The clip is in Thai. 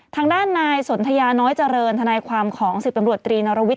ทางด้านนายสนทยาน้อยเจริญทนายความของ๑๐ตำรวจตรีนรวิท